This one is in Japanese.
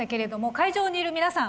会場にいる皆さん